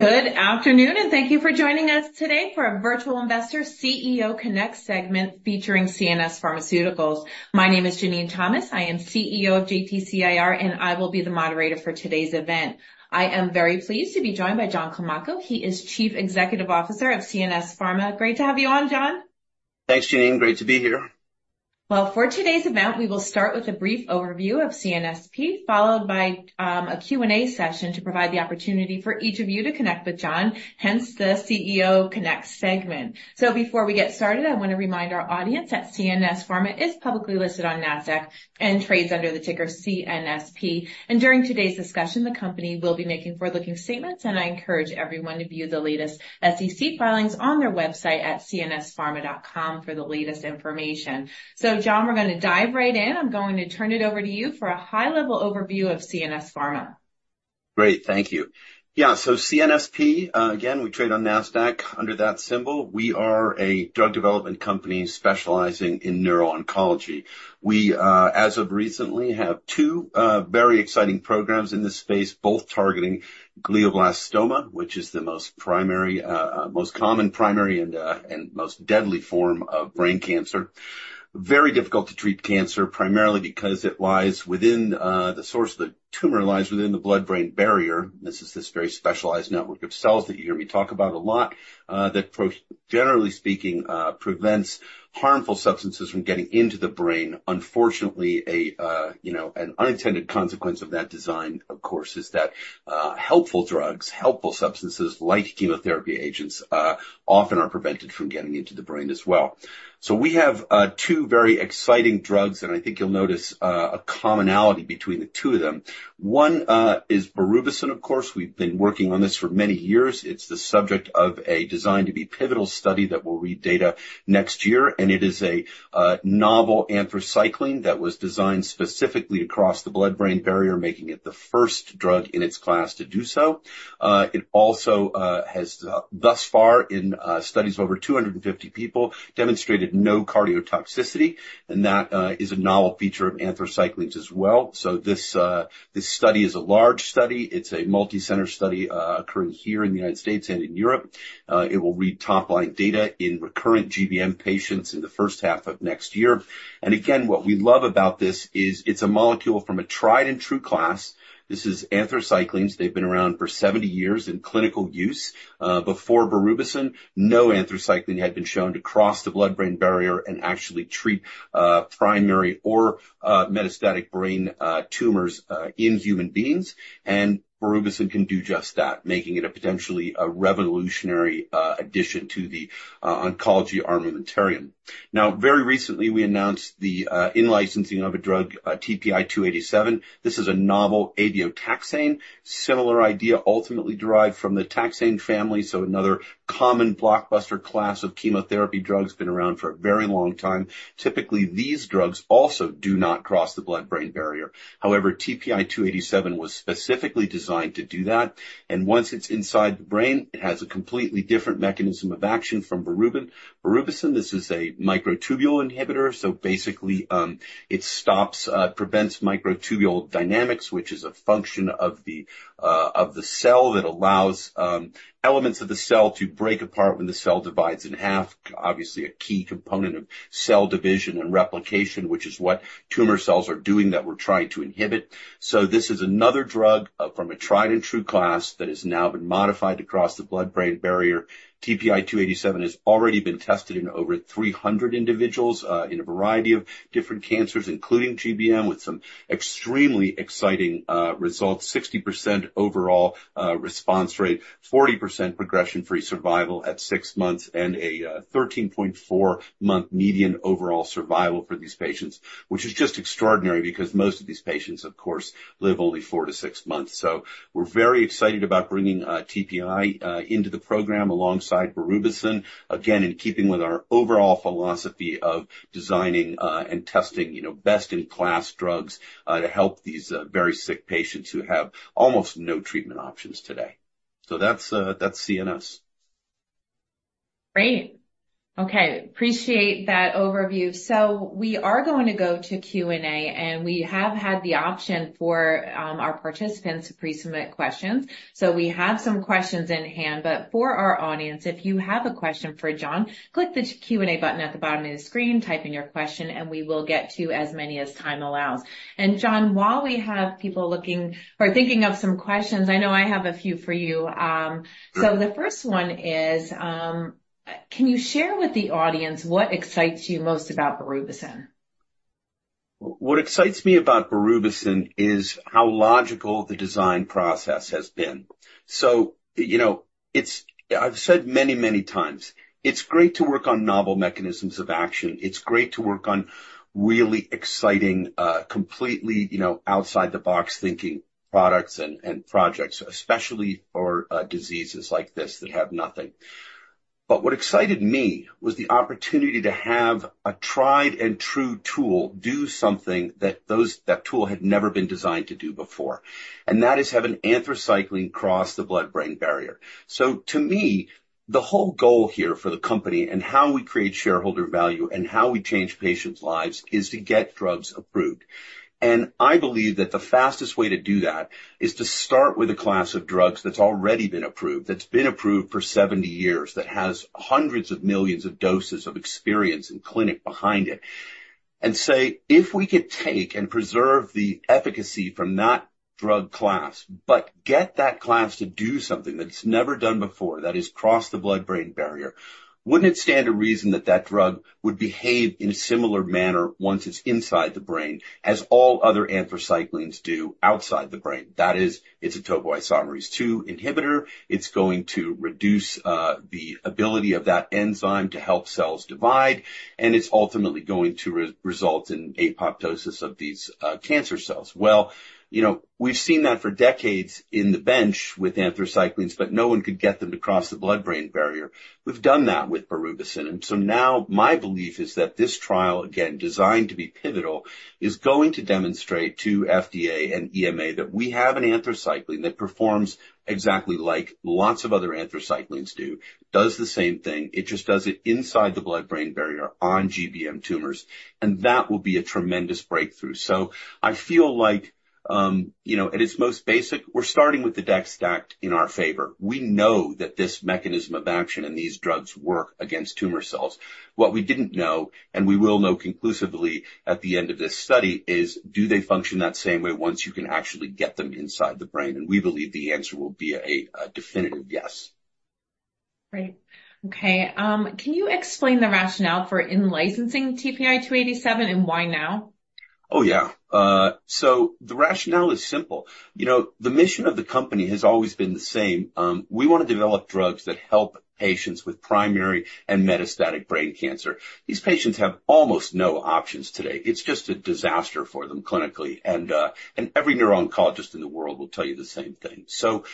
Good afternoon, and thank you for joining us today for our virtual investor CEO Connect segment, featuring CNS Pharmaceuticals. My name is Jenene Thomas. I am CEO of JTC IR, and I will be the moderator for today's event. I am very pleased to be joined by John Climaco. He is Chief Executive Officer of CNS Pharma. Great to have you on, John. Thanks, Jenene. Great to be here. For today's event, we will start with a brief overview of CNSP, followed by a Q&A session to provide the opportunity for each of you to connect with John, hence, the CEO Connect segment. Before we get started, I want to remind our audience that CNS Pharma is publicly listed on NASDAQ and trades under the ticker CNSP. During today's discussion, the company will be making forward-looking statements, and I encourage everyone to view the latest SEC filings on their website at cnspharma.com for the latest information. John, we're gonna dive right in. I'm going to turn it over to you for a high-level overview of CNS Pharma. Great. Thank you. Yeah, so CNSP, again, we trade on NASDAQ under that symbol. We are a drug development company specializing in neuro-oncology. We, as of recently, have two, very exciting programs in this space, both targeting glioblastoma, which is the most primary, most common, primary, and most deadly form of brain cancer. Very difficult to treat cancer, primarily because it lies within, the source of the tumor, lies within the blood-brain barrier. This is this very specialized network of cells that you hear me talk about a lot, that generally speaking, prevents harmful substances from getting into the brain. Unfortunately, you know, an unintended consequence of that design, of course, is that, helpful drugs, helpful substances, like chemotherapy agents, often are prevented from getting into the brain as well. So we have two very exciting drugs, and I think you'll notice a commonality between the two of them. One is berubicin. Of course, we've been working on this for many years. It's the subject of a designed to be pivotal study that will read data next year, and it is a novel anthracycline that was designed specifically to cross the blood-brain barrier, making it the first drug in its class to do so. It also has, thus far, in studies over 250 people, demonstrated no cardiotoxicity, and that is a novel feature of anthracyclines as well. So this study is a large study. It's a multi-center study occurring here in the United States and in Europe. It will read top-line data in recurrent GBM patients in the first half of next year. Again, what we love about this is it's a molecule from a tried-and-true class. This is anthracyclines. They've been around for 70 years in clinical use. Before berubicin, no anthracycline had been shown to cross the blood-brain barrier and actually treat primary or metastatic brain tumors in human beings, and berubicin can do just that, making it a potentially a revolutionary addition to the oncology armamentarium. Now, very recently, we announced the in-licensing of a drug, TPI 287. This is a novel abeotaxane, similar idea, ultimately derived from the taxane family, so another common blockbuster class of chemotherapy drugs, been around for a very long time. Typically, these drugs also do not cross the blood-brain barrier. However, TPI 287 was specifically designed to do that, and once it's inside the brain, it has a completely different mechanism of action from berubicin. berubicin, this is a microtubule inhibitor, so basically, it stops, prevents microtubule dynamics, which is a function of the cell that allows elements of the cell to break apart when the cell divides in half. Obviously, a key component of cell division and replication, which is what tumor cells are doing, that we're trying to inhibit. So this is another drug from a tried-and-true class that has now been modified across the blood-brain barrier. TPI 287 has already been tested in over 300 individuals in a variety of different cancers, including GBM, with some extremely exciting results, 60% overall response rate, 40% progression-free survival at six months, and a 13.4-month median overall survival for these patients, which is just extraordinary because most of these patients, of course, live only four to six months. So we're very excited about bringing TPI into the program alongside berubicin, again, in keeping with our overall philosophy of designing and testing, you know, best-in-class drugs to help these very sick patients who have almost no treatment options today. So that's CNS. Great. Okay, appreciate that overview. So we are going to go to Q&A, and we have had the option for our participants to pre-submit questions. So we have some questions in hand, but for our audience, if you have a question for John, click the Q&A button at the bottom of the screen, type in your question, and we will get to as many as time allows. And John, while we have people looking or thinking of some questions, I know I have a few for you. Sure. So the first one is, can you share with the audience what excites you most about berubicin? What excites me about berubicin is how logical the design process has been. So, you know, it's... I've said many, many times, it's great to work on novel mechanisms of action. It's great to work on really exciting, completely, you know, outside-the-box-thinking products and, and projects, especially for, diseases like this that have nothing. But what excited me was the opportunity to have a tried and true tool do something that those- that tool had never been designed to do before, and that is have an anthracycline cross the blood-brain barrier. So to me, the whole goal here for the company, and how we create shareholder value, and how we change patients' lives, is to get drugs approved. I believe that the fastest way to do that is to start with a class of drugs that's already been approved, that's been approved for seventy years, that has hundreds of millions of doses of experience in clinic behind it, and say, if we could take and preserve the efficacy from that drug class, but get that class to do something that it's never done before, that is cross the blood-brain barrier, wouldn't it stand to reason that that drug would behave in a similar manner once it's inside the brain, as all other anthracyclines do outside the brain? That is, it's a topoisomerase II inhibitor. It's going to reduce the ability of that enzyme to help cells divide, and it's ultimately going to result in apoptosis of these cancer cells. You know, we've seen that for decades on the bench with anthracyclines, but no one could get them to cross the blood-brain barrier. We've done that with berubicin, and so now my belief is that this trial, again, designed to be pivotal, is going to demonstrate to FDA and EMA that we have an anthracycline that performs exactly like lots of other anthracyclines do, does the same thing. It just does it inside the blood-brain barrier on GBM tumors, and that will be a tremendous breakthrough. So I feel like, you know, at its most basic, we're starting with the deck stacked in our favor. We know that this mechanism of action and these drugs work against tumor cells. What we didn't know, and we will know conclusively at the end of this study, is do they function that same way once you can actually get them inside the brain? And we believe the answer will be a definitive yes. Great. Okay, can you explain the rationale for in-licensing TPI 287, and why now? Oh, yeah. So the rationale is simple. You know, the mission of the company has always been the same. We want to develop drugs that help patients with primary and metastatic brain cancer. These patients have almost no options today. It's just a disaster for them clinically, and, and every neuro-oncologist in the world will tell you the same thing. So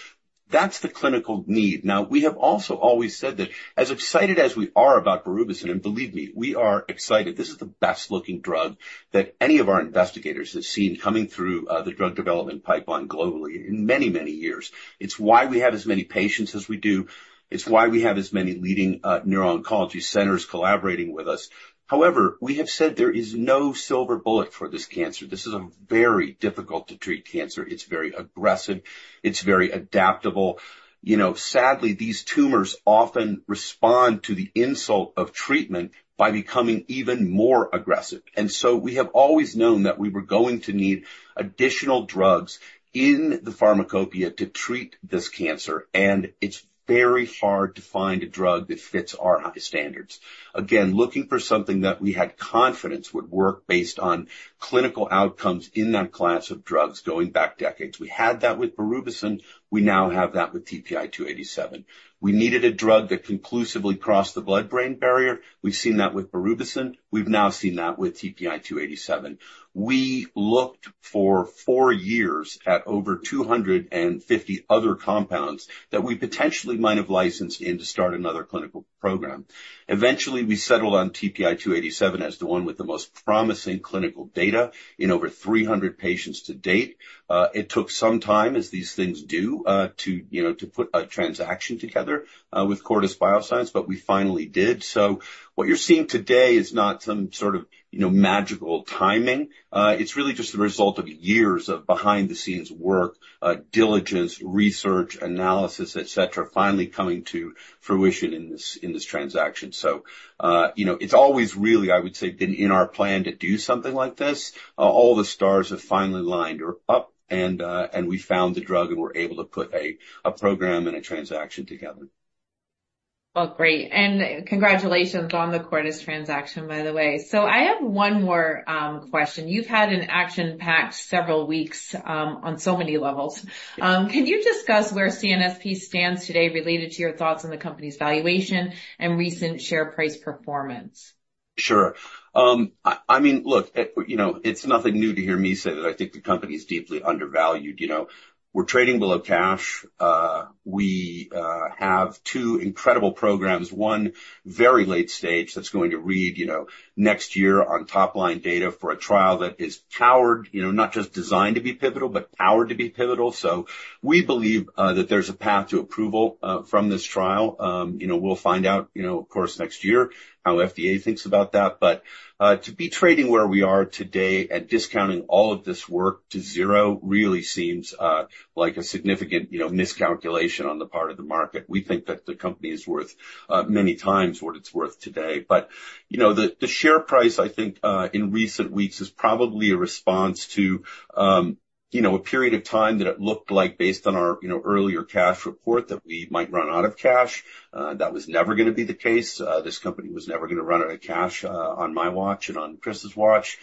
that's the clinical need. Now, we have also always said that as excited as we are about berubicin, and believe me, we are excited, this is the best-looking drug that any of our investigators have seen coming through, the drug development pipeline globally in many, many years. It's why we have as many patients as we do. It's why we have as many leading, neuro-oncology centers collaborating with us. However, we have said there is no silver bullet for this cancer. This is a very difficult-to-treat cancer. It's very aggressive. It's very adaptable. You know, sadly, these tumors often respond to the insult of treatment by becoming even more aggressive, and so we have always known that we were going to need additional drugs in the pharmacopoeia to treat this cancer, and it's very hard to find a drug that fits our high standards. Again, looking for something that we had confidence would work based on clinical outcomes in that class of drugs going back decades. We had that with berubicin. We now have that with TPI 287. We needed a drug that conclusively crossed the blood-brain barrier. We've seen that with berubicin. We've now seen that with TPI 287. We looked for four years at over 250 other compounds that we potentially might have licensed in to start another clinical program. Eventually, we settled on TPI 287 as the one with the most promising clinical data in over 300 patients to date. It took some time, as these things do, to you know to put a transaction together with Cortice Biosciences, but we finally did, so what you're seeing today is not some sort of you know magical timing. It's really just the result of years of behind-the-scenes work, diligence, research, analysis, et cetera, finally coming to fruition in this transaction, so you know it's always really, I would say, been in our plan to do something like this. All the stars have finally lined up and we found the drug, and we're able to put a program and a transaction together. Great. And congratulations on the Cortice transaction, by the way. So I have one more question. You've had an action-packed several weeks on so many levels. Can you discuss where CNSP stands today related to your thoughts on the company's valuation and recent share price performance? Sure. I mean, look, you know, it's nothing new to hear me say that I think the company is deeply undervalued. You know, we're trading below cash. We have two incredible programs, one very late stage, that's going to read, you know, next year on top-line data for a trial that is powered, you know, not just designed to be pivotal, but powered to be pivotal. So we believe that there's a path to approval from this trial. You know, we'll find out, you know, of course, next year how FDA thinks about that. But to be trading where we are today and discounting all of this work to zero, really seems like a significant, you know, miscalculation on the part of the market. We think that the company is worth many times what it's worth today. But you know, the share price, I think, in recent weeks, is probably a response to, you know, a period of time that it looked like based on our, you know, earlier cash report, that we might run out of cash. That was never gonna be the case. This company was never gonna run out of cash, on my watch and on Chris's watch.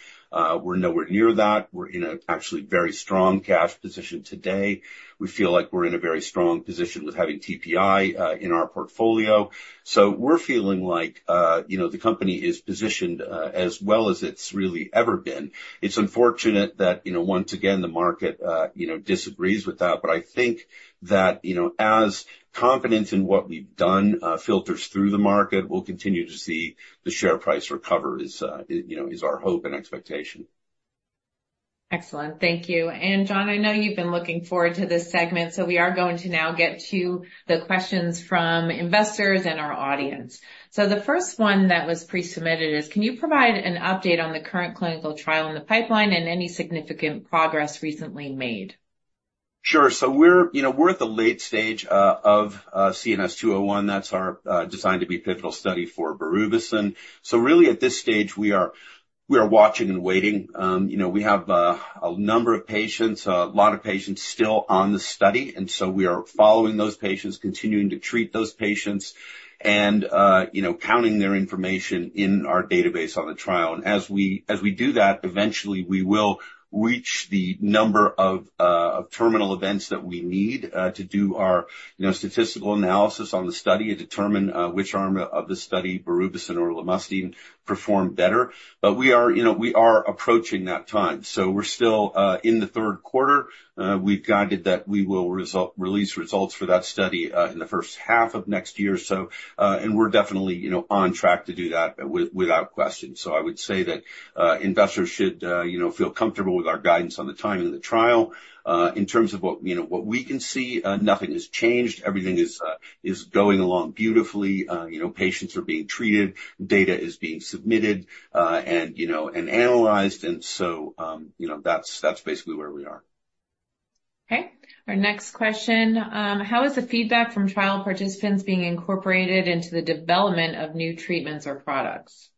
We're nowhere near that. We're in a actually very strong cash position today. We feel like we're in a very strong position with having TPI in our portfolio. So we're feeling like, you know, the company is positioned as well as it's really ever been. It's unfortunate that, you know, once again, the market, you know, disagrees with that, but I think that, you know, as confidence in what we've done, filters through the market, we'll continue to see the share price recover, you know, is our hope and expectation. Excellent. Thank you. And John, I know you've been looking forward to this segment, so we are going to now get to the questions from investors and our audience. So the first one that was pre-submitted is: Can you provide an update on the current clinical trial in the pipeline and any significant progress recently made?... Sure. So we're, you know, we're at the late stage of CNS-201. That's our designed to be pivotal study for berubicin. So really, at this stage, we are watching and waiting. You know, we have a number of patients, a lot of patients still on the study, and so we are following those patients, continuing to treat those patients, and, you know, collecting their information in our database on the trial. And as we do that, eventually we will reach the number of terminal events that we need to do our, you know, statistical analysis on the study and determine which arm of the study, berubicin or lomustine, performed better. But we are, you know, we are approaching that time, so we're still in the third quarter. We've guided that we will release results for that study in the first half of next year. And we're definitely, you know, on track to do that without question. So I would say that investors should, you know, feel comfortable with our guidance on the timing of the trial. In terms of what, you know, what we can see, nothing has changed. Everything is going along beautifully. You know, patients are being treated, data is being submitted and analyzed. And so, you know, that's basically where we are. Okay. Our next question: How is the feedback from trial participants being incorporated into the development of new treatments or products?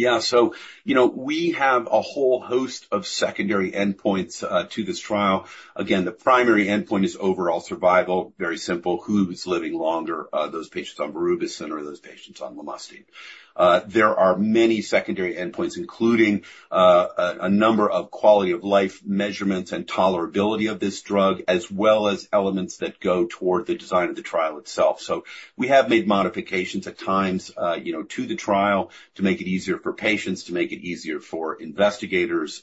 Yeah, so you know, we have a whole host of secondary endpoints to this trial. Again, the primary endpoint is overall survival. Very simple. Who's living longer, those patients on berubicin or those patients on lomustine? There are many secondary endpoints, including a number of quality of life measurements and tolerability of this drug, as well as elements that go toward the design of the trial itself. So we have made modifications at times, you know, to the trial, to make it easier for patients, to make it easier for investigators.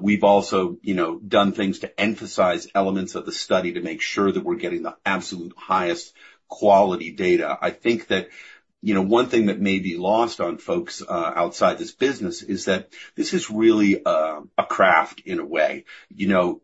We've also, you know, done things to emphasize elements of the study to make sure that we're getting the absolute highest quality data. I think that, you know, one thing that may be lost on folks outside this business is that this is really a craft in a way. You know,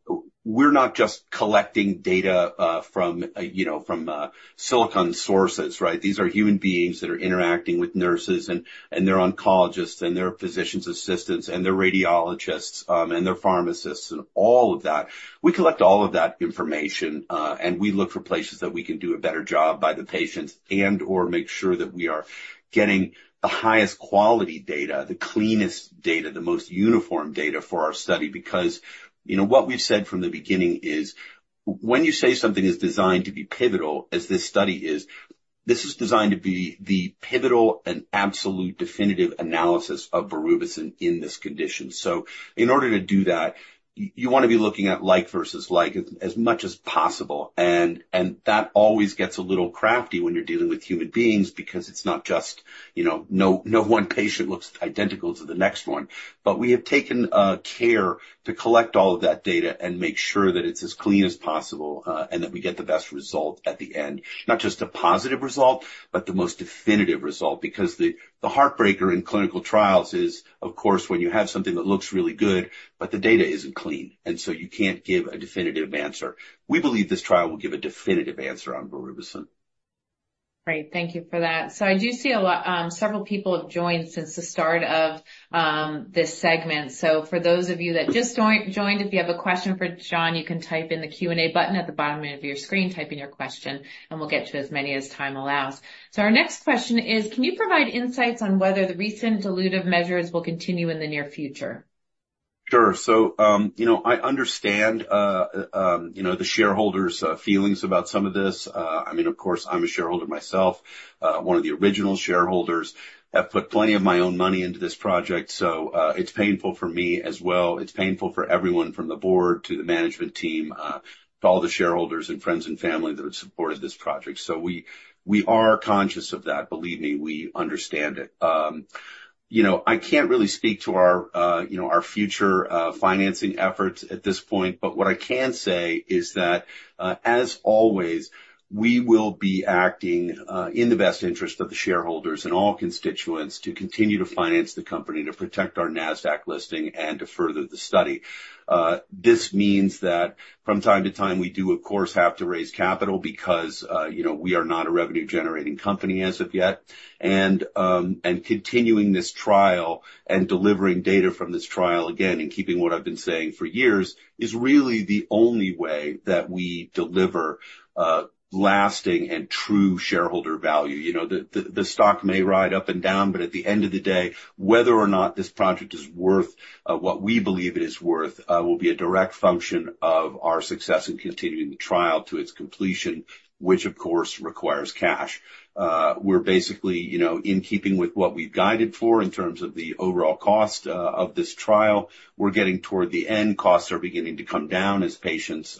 we're not just collecting data from, you know, from silicon sources, right? These are human beings that are interacting with nurses and their oncologists, and their physicians' assistants, and their radiologists, and their pharmacists and all of that. We collect all of that information, and we look for places that we can do a better job by the patients and/or make sure that we are getting the highest quality data, the cleanest data, the most uniform data for our study. Because, you know, what we've said from the beginning is, when you say something is designed to be pivotal, as this study is, this is designed to be the pivotal and absolute definitive analysis of berubicin in this condition. So in order to do that, you wanna be looking at like versus like as much as possible. That always gets a little crafty when you're dealing with human beings because it's not just, you know, no one patient looks identical to the next one. But we have taken care to collect all of that data and make sure that it's as clean as possible, and that we get the best result at the end. Not just a positive result, but the most definitive result. Because the heartbreaker in clinical trials is, of course, when you have something that looks really good, but the data isn't clean, and so you can't give a definitive answer. We believe this trial will give a definitive answer on berubicin. Great, thank you for that. So I do see a lot... Several people have joined since the start of this segment. So for those of you that just joined, if you have a question for John, you can type in the Q&A button at the bottom of your screen, type in your question, and we'll get to as many as time allows. So our next question is: Can you provide insights on whether the recent dilutive measures will continue in the near future? Sure. So, you know, I understand, you know, the shareholders', feelings about some of this. I mean, of course, I'm a shareholder myself, one of the original shareholders, have put plenty of my own money into this project, so, it's painful for me as well. It's painful for everyone from the board to the management team, to all the shareholders and friends and family that have supported this project. So we are conscious of that, believe me, we understand it. You know, I can't really speak to our, you know, our future, financing efforts at this point, but what I can say is that, as always, we will be acting, in the best interest of the shareholders and all constituents to continue to finance the company, to protect our NASDAQ listing and to further the study. This means that from time to time, we do, of course, have to raise capital because, you know, we are not a revenue-generating company as of yet. Continuing this trial and delivering data from this trial, again, and keeping what I've been saying for years, is really the only way that we deliver, lasting and true shareholder value. You know, the stock may ride up and down, but at the end of the day, whether or not this project is worth, what we believe it is worth, will be a direct function of our success in continuing the trial to its completion, which of course, requires cash. We're basically, you know, in keeping with what we've guided for in terms of the overall cost of this trial. We're getting toward the end. Costs are beginning to come down as patients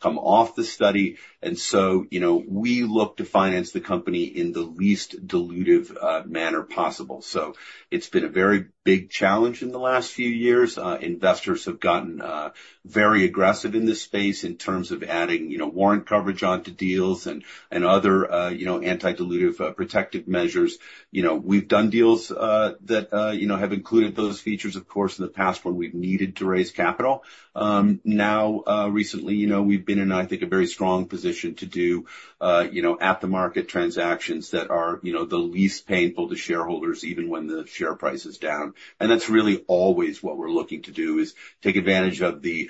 come off the study. And so, you know, we look to finance the company in the least dilutive manner possible. So it's been a very big challenge in the last few years. Investors have gotten very aggressive in this space in terms of adding, you know, warrant coverage onto deals and other, you know, anti-dilutive protective measures. You know, we've done deals that, you know, have included those features, of course, in the past when we've needed to raise capital. Now, recently, you know, we've been in, I think, a very strong position to do, you know, at-the-market transactions that are, you know, the least painful to shareholders, even when the share price is down. And that's really always what we're looking to do, is take advantage of the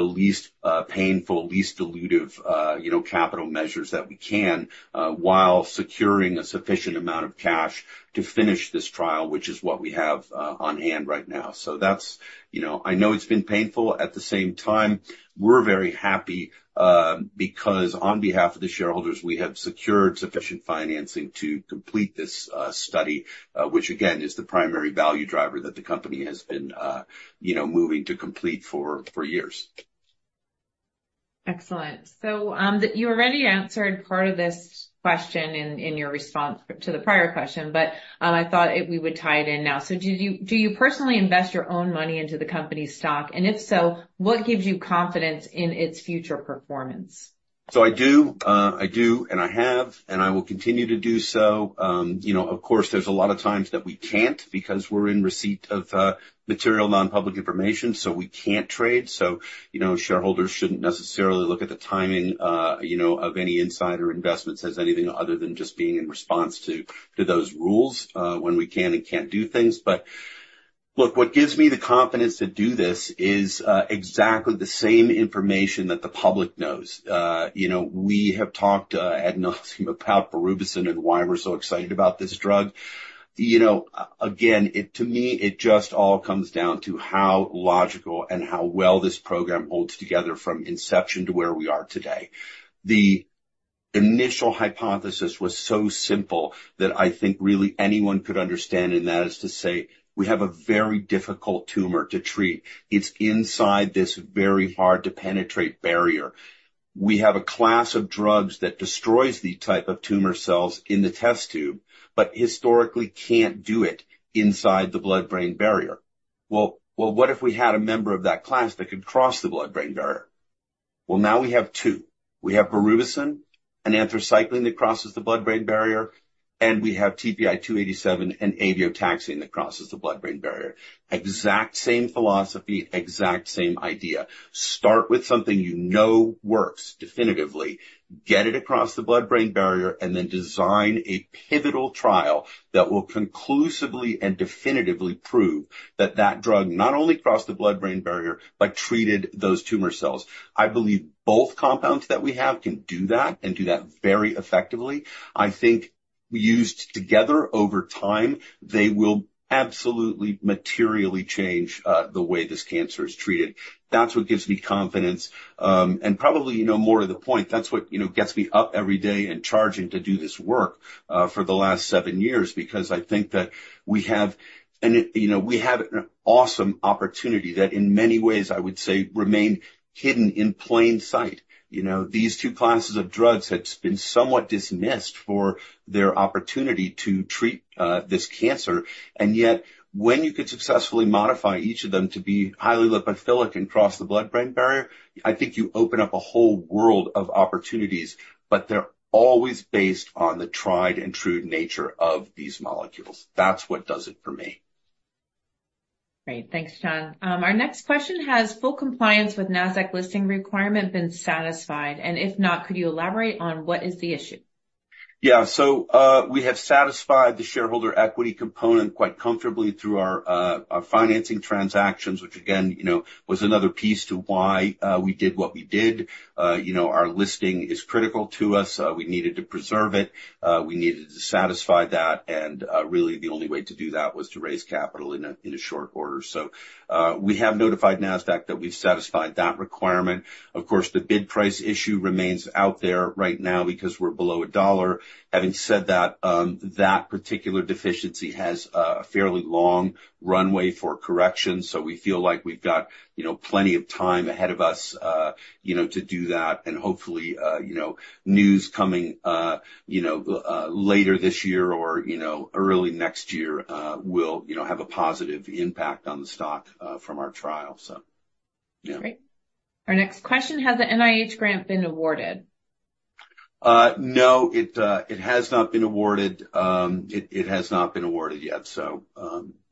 least painful, least dilutive, you know, capital measures that we can while securing a sufficient amount of cash to finish this trial, which is what we have on hand right now. So that's, you know... I know it's been painful. At the same time, we're very happy because on behalf of the shareholders, we have secured sufficient financing to complete this study, which again is the primary value driver that the company has been, you know, moving to complete for years.... Excellent. So, you already answered part of this question in your response to the prior question, but, I thought it we would tie it in now. So do you personally invest your own money into the company's stock? And if so, what gives you confidence in its future performance? So I do. I do, and I have, and I will continue to do so. You know, of course, there's a lot of times that we can't, because we're in receipt of material, non-public information, so we can't trade. So, you know, shareholders shouldn't necessarily look at the timing, you know, of any insider investments as anything other than just being in response to those rules when we can and can't do things. But look, what gives me the confidence to do this is exactly the same information that the public knows. You know, we have talked ad nauseam about berubicin and why we're so excited about this drug. You know, again, it, to me, it just all comes down to how logical and how well this program holds together from inception to where we are today. The initial hypothesis was so simple that I think really anyone could understand, and that is to say, we have a very difficult tumor to treat. It's inside this very hard-to-penetrate barrier. We have a class of drugs that destroys the type of tumor cells in the test tube, but historically can't do it inside the blood-brain barrier. Well, well, what if we had a member of that class that could cross the blood-brain barrier? Well, now we have two. We have berubicin, an anthracycline that crosses the blood-brain barrier, and we have TPI 287, an abeotaxane that crosses the blood-brain barrier. Exact same philosophy, exact same idea. Start with something you know works definitively, get it across the blood-brain barrier, and then design a pivotal trial that will conclusively and definitively prove that that drug not only crossed the blood-brain barrier, but treated those tumor cells. I believe both compounds that we have can do that and do that very effectively. I think used together over time, they will absolutely materially change the way this cancer is treated. That's what gives me confidence. And probably, you know, more to the point, that's what, you know, gets me up every day and charging to do this work for the last seven years, because I think that we have an awesome opportunity that in many ways, I would say, remained hidden in plain sight. You know, these two classes of drugs had been somewhat dismissed for their opportunity to treat this cancer. And yet, when you could successfully modify each of them to be highly lipophilic and cross the blood-brain barrier, I think you open up a whole world of opportunities, but they're always based on the tried and true nature of these molecules. That's what does it for me. Great. Thanks, John. Our next question: Has full compliance with NASDAQ listing requirement been satisfied? And if not, could you elaborate on what is the issue? Yeah. So, we have satisfied the shareholder equity component quite comfortably through our financing transactions, which again, you know, was another piece to why we did what we did. You know, our listing is critical to us. We needed to preserve it, we needed to satisfy that, and really, the only way to do that was to raise capital in a short order. So, we have notified NASDAQ that we've satisfied that requirement. Of course, the bid price issue remains out there right now because we're below $1. Having said that, that particular deficiency has a fairly long runway for correction, so we feel like we've got, you know, plenty of time ahead of us, you know, to do that, and hopefully, you know, news coming, you know, later this year or, you know, early next year, will, you know, have a positive impact on the stock, from our trial. So, yeah. Great. Our next question: Has the NIH grant been awarded? No, it has not been awarded. It has not been awarded yet, so,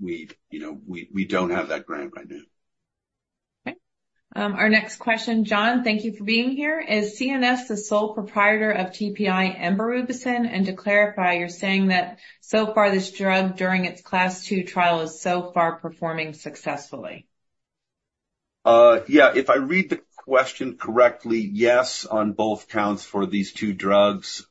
you know, we don't have that grant right now. Okay. Our next question: John, thank you for being here. Is CNS the sole proprietor of TPI and berubicin? And to clarify, you're saying that so far, this drug, during its phase II trial, is so far performing successfully? Yeah, if I read the question correctly, yes, on both counts for these two drugs.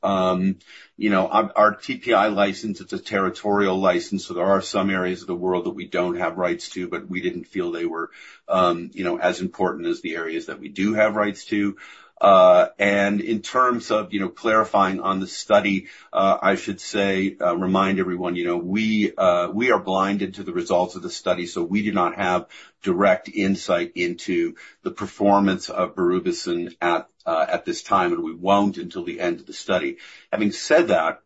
You know, our TPI license, it's a territorial license, so there are some areas of the world that we don't have rights to, but we didn't feel they were, you know, as important as the areas that we do have rights to. And in terms of, you know, clarifying on the study, I should say, remind everyone, you know, we are blinded to the results of the study, so we do not have direct insight into the performance of berubicin at this time, and we won't until the end of the study. Having said that,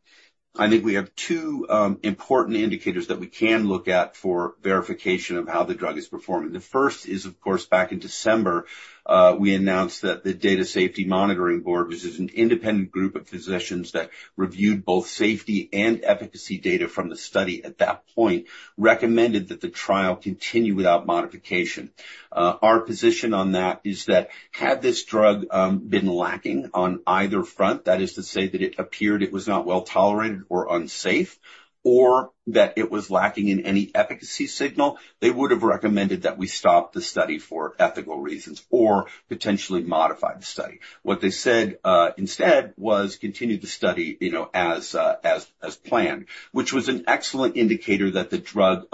I think we have two important indicators that we can look at for verification of how the drug is performing. The first is, of course, back in December, we announced that the Data Safety Monitoring Board, which is an independent group of physicians that reviewed both safety and efficacy data from the study at that point, recommended that the trial continue without modification. Our position on that is that had this drug been lacking on either front, that is to say that it appeared it was not well-tolerated or unsafe, or that it was lacking in any efficacy signal, they would have recommended that we stop the study for ethical reasons or potentially modify the study. What they said, instead, was continue the study, you know, as planned, which was an excellent indicator that the drug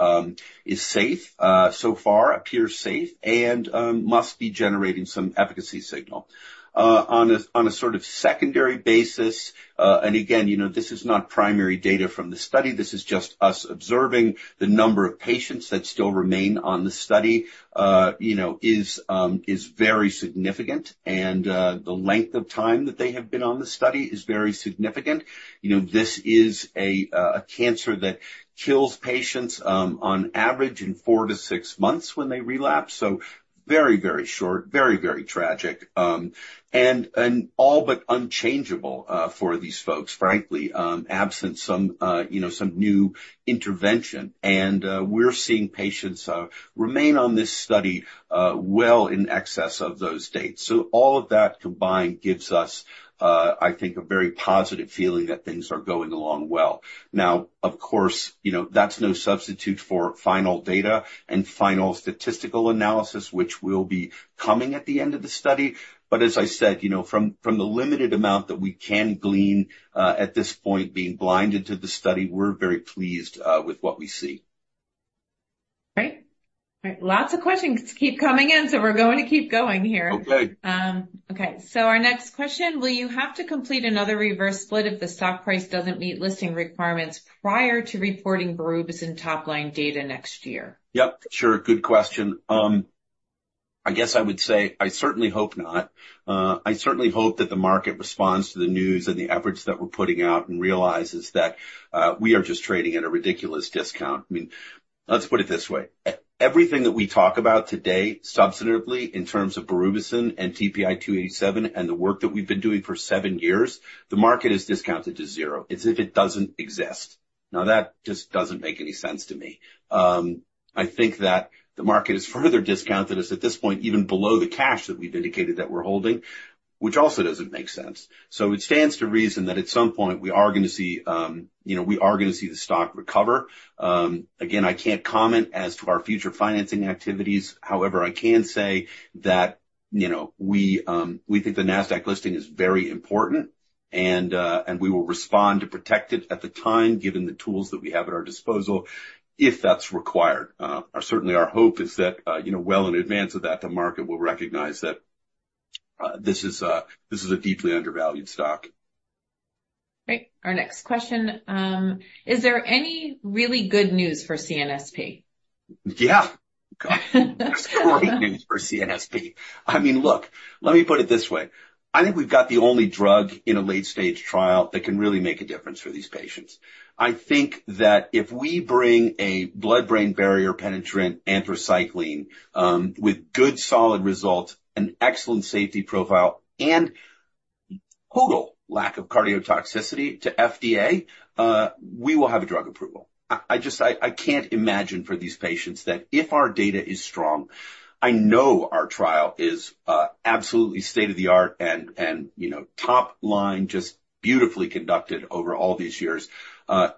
is safe, so far appears safe and must be generating some efficacy signal. On a sort of secondary basis, and again, you know, this is not primary data from the study. This is just us observing the number of patients that still remain on the study, you know, is very significant, and the length of time that they have been on the study is very significant. You know, this is a cancer that kills patients on average in four-to-six months when they relapse. Very, very short, very, very tragic, and all but unchangeable for these folks, frankly, absent some, you know, some new intervention. We're seeing patients remain on this study well in excess of those dates. All of that combined gives us, I think, a very positive feeling that things are going along well. Now, of course, you know, that's no substitute for final data and final statistical analysis, which will be coming at the end of the study. But as I said, you know, from the limited amount that we can glean at this point, being blinded to the study, we're very pleased with what we see. Great. Great. Lots of questions keep coming in, so we're going to keep going here. Okay. Okay, so our next question: Will you have to complete another reverse split if the stock price doesn't meet listing requirements prior to reporting berubicin top line data next year? Yep, sure. Good question. I guess I would say, I certainly hope not. I certainly hope that the market responds to the news and the efforts that we're putting out and realizes that, we are just trading at a ridiculous discount. I mean, let's put it this way, everything that we talk about today, substantively, in terms of berubicin and TPI 287 and the work that we've been doing for seven years, the market is discounted to zero, as if it doesn't exist. Now, that just doesn't make any sense to me. I think that the market has further discounted us at this point, even below the cash that we've indicated that we're holding, which also doesn't make sense. So it stands to reason that at some point we are gonna see, you know, we are gonna see the stock recover. Again, I can't comment as to our future financing activities. However, I can say that, you know, we think the NASDAQ listing is very important, and we will respond to protect it at the time, given the tools that we have at our disposal, if that's required. Certainly our hope is that, you know, well in advance of that, the market will recognize that this is a deeply undervalued stock. Great. Our next question: Is there any really good news for CNSP? Yeah! There's great news for CNSP. I mean, look, let me put it this way. I think we've got the only drug in a late stage trial that can really make a difference for these patients. I think that if we bring a blood-brain barrier penetrant anthracycline with good, solid results, an excellent safety profile, and total lack of cardiotoxicity to FDA, we will have a drug approval. I just can't imagine for these patients that if our data is strong. I know our trial is absolutely state-of-the-art and you know, top line, just beautifully conducted over all these years.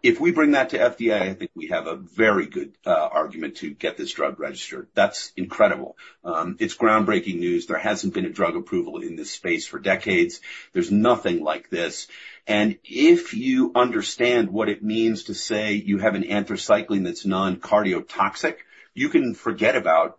If we bring that to FDA, I think we have a very good argument to get this drug registered. That's incredible. It's groundbreaking news. There hasn't been a drug approval in this space for decades. There's nothing like this. If you understand what it means to say you have an anthracycline that's non-cardiotoxic, you can forget about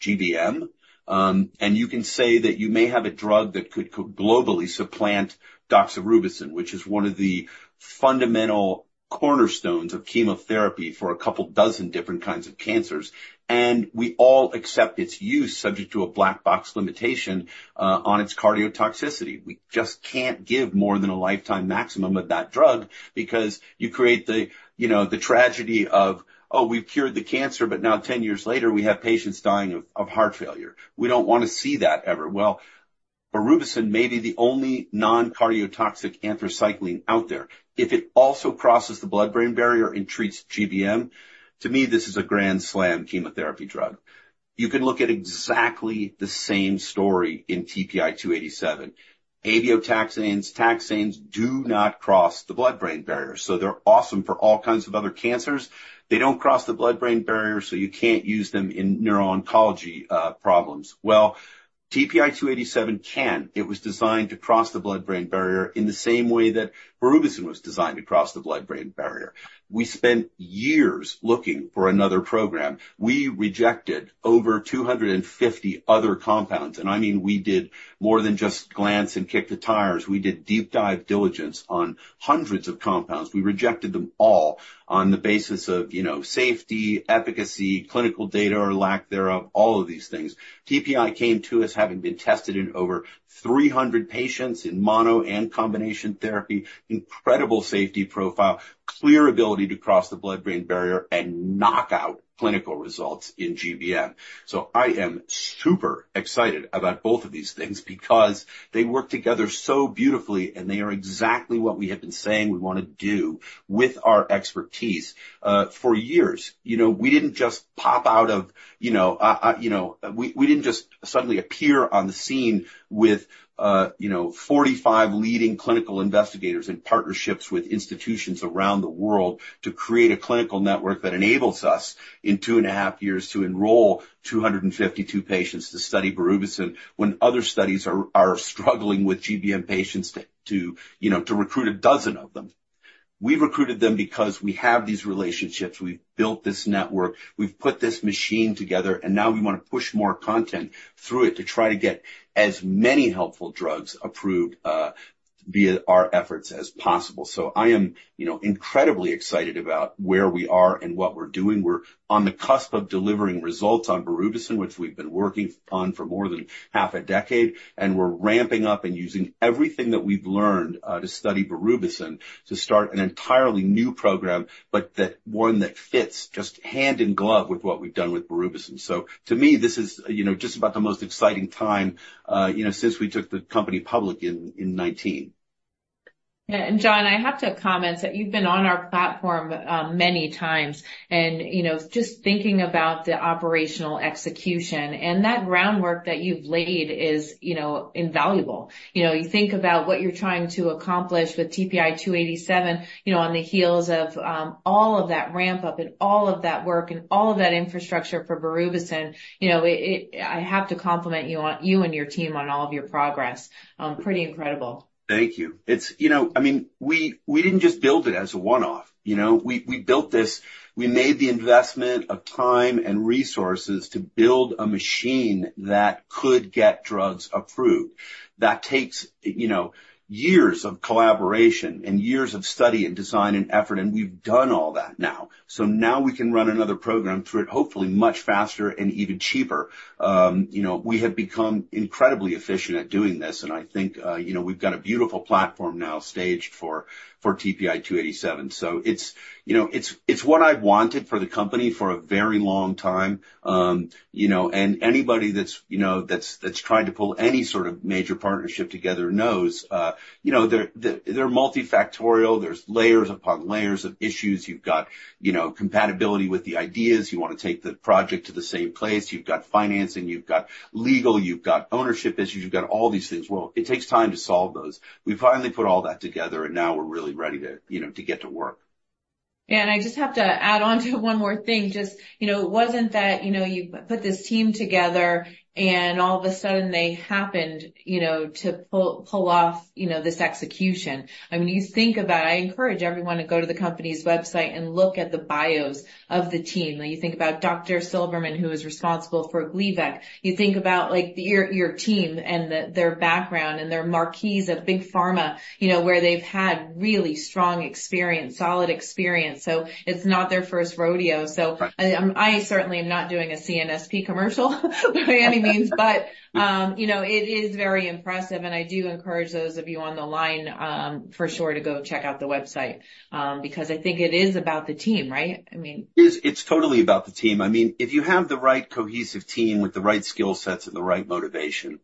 GBM, and you can say that you may have a drug that could globally supplant doxorubicin, which is one of the fundamental cornerstones of chemotherapy for a couple dozen different kinds of cancers, and we all accept its use, subject to a black box limitation on its cardiotoxicity. We just can't give more than a lifetime maximum of that drug because you create the, you know, the tragedy of, oh, we've cured the cancer, but now ten years later, we have patients dying of heart failure. We don't wanna see that ever. Berubicin may be the only non-cardiotoxic anthracycline out there. If it also crosses the blood-brain barrier and treats GBM, to me, this is a grand slam chemotherapy drug. You can look at exactly the same story in TPI 287. Abeotaxanes, taxanes do not cross the blood-brain barrier, so they're awesome for all kinds of other cancers. They don't cross the blood-brain barrier, so you can't use them in neuro-oncology problems. TPI 287 can. It was designed to cross the blood-brain barrier in the same way that berubicin was designed to cross the blood-brain barrier. We spent years looking for another program. We rejected over 250 other compounds, and I mean, we did more than just glance and kick the tires. We did deep dive diligence on hundreds of compounds. We rejected them all on the basis of, you know, safety, efficacy, clinical data or lack thereof, all of these things. TPI came to us having been tested in over 300 patients in mono and combination therapy, incredible safety profile, clear ability to cross the blood-brain barrier and knock out clinical results in GBM. So I am super excited about both of these things because they work together so beautifully, and they are exactly what we have been saying we wanna do with our expertise for years. You know, we didn't just pop out of nowhere. We didn't just suddenly appear on the scene with 45 leading clinical investigators and partnerships with institutions around the world to create a clinical network that enables us, in two and a half years, to enroll 252 patients to study berubicin, when other studies are struggling with GBM patients to recruit a dozen of them. We recruited them because we have these relationships. We've built this network, we've put this machine together, and now we wanna push more content through it to try to get as many helpful drugs approved via our efforts as possible. So I am, you know, incredibly excited about where we are and what we're doing. We're on the cusp of delivering results on berubicin, which we've been working on for more than half a decade, and we're ramping up and using everything that we've learned to study berubicin to start an entirely new program, but the one that fits just hand in glove with what we've done with berubicin. So to me, this is, you know, just about the most exciting time since we took the company public in 2019. Yeah, and John, I have to comment that you've been on our platform many times, and, you know, just thinking about the operational execution and that groundwork that you've laid is, you know, invaluable. You know, you think about what you're trying to accomplish with TPI 287, you know, on the heels of all of that ramp up and all of that work and all of that infrastructure for berubicin, you know, it-- I have to compliment you on, you and your team on all of your progress. Pretty incredible. Thank you. It's, you know, I mean, we didn't just build it as a one-off, you know? We built this. We made the investment of time and resources to build a machine that could get drugs approved. That takes, you know, years of collaboration and years of study and design and effort, and we've done all that now. So now we can run another program through it, hopefully much faster and even cheaper. You know, we have become incredibly efficient at doing this, and I think, you know, we've got a beautiful platform now staged for TPI 287. So it's, you know, it's what I've wanted for the company for a very long time. You know, and anybody that's, you know, that's tried to pull any sort of major partnership together knows, you know, they're multifactorial. There's layers upon layers of issues. You've got, you know, compatibility with the ideas. You want to take the project to the same place. You've got financing, you've got legal, you've got ownership issues, you've got all these things. Well, it takes time to solve those. We finally put all that together, and now we're really ready to, you know, to get to work. Yeah, and I just have to add on to one more thing. Just, you know, it wasn't that, you know, you put this team together, and all of a sudden, they happened, you know, to pull off, you know, this execution. I mean, you think about it. I encourage everyone to go to the company's website and look at the bios of the team. When you think about Dr. Silberman, who is responsible for Gleevec, you think about, like, your team and their background and their marquees of big pharma, you know, where they've had really strong experience, solid experience. So it's not their first rodeo. So I certainly am not doing a CNSP commercial by any means, but, you know, it is very impressive, and I do encourage those of you on the line, for sure to go check out the website, because I think it is about the team, right? I mean- It is. It's totally about the team. I mean, if you have the right cohesive team with the right skill sets and the right motivation,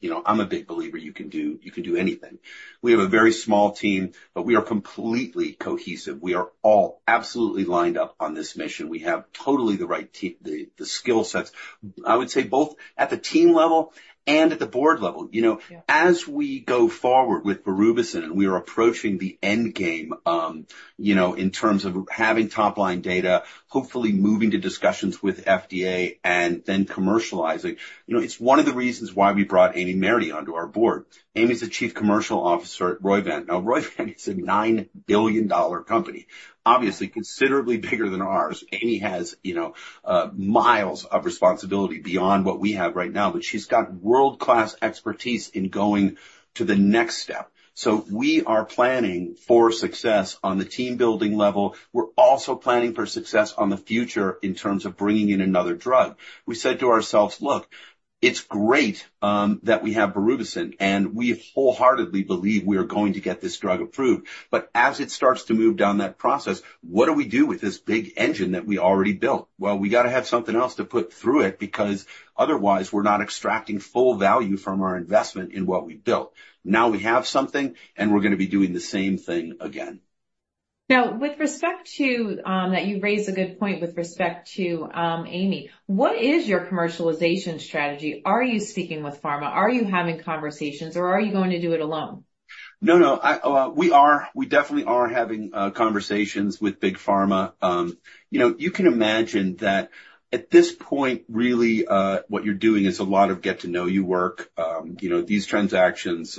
you know, I'm a big believer you can do, you can do anything. We have a very small team, but we are completely cohesive. We are all absolutely lined up on this mission. We have totally the right team, the skill sets, I would say, both at the team level and at the board level. You know. Yeah. As we go forward with berubicin, and we are approaching the end game, you know, in terms of having top-line data, hopefully moving to discussions with FDA and then commercializing, you know, it's one of the reasons why we brought Amy Mahery onto our board. Amy's the Chief Commercial Officer at Roivant. Now, Roivant is a $9 billion company, obviously considerably bigger than ours. Amy has, you know, miles of responsibility beyond what we have right now, but she's got world-class expertise in going to the next step. So we are planning for success on the team-building level. We're also planning for success on the future in terms of bringing in another drug. We said to ourselves, "Look, it's great that we have berubicin, and we wholeheartedly believe we are going to get this drug approved. But as it starts to move down that process, what do we do with this big engine that we already built? Well, we got to have something else to put through it because otherwise we're not extracting full value from our investment in what we've built. Now we have something, and we're going to be doing the same thing again. Now, with respect to that you raised a good point with respect to Amy. What is your commercialization strategy? Are you speaking with pharma? Are you having conversations, or are you going to do it alone? No, no, I... We are, we definitely are having conversations with big pharma. You know, you can imagine that at this point, really, what you're doing is a lot of get to know you work. You know, these transactions,